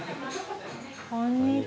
こんにちは。